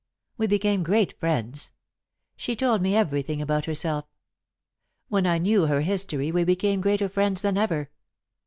We became great friends. She told me everything about herself. When I knew her history we became greater friends than ever.